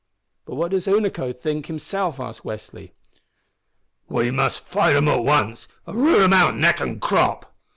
"But what does Unaco himself think?" asked Westly. "We must fight 'em at once, an' root them out neck and crop!"